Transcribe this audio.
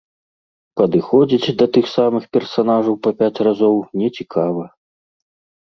Падыходзіць да тых самых персанажаў па пяць разоў нецікава.